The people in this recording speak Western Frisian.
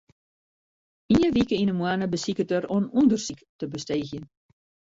Ien wike yn 'e moanne besiket er oan ûndersyk te besteegjen.